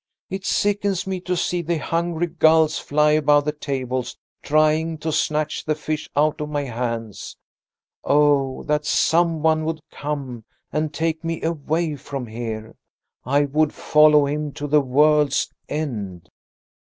It sickens me to see the hungry gulls fly above the tables trying to snatch the fish out of my hands. Oh, that someone would come and take me away from here! I would follow him to the world's end."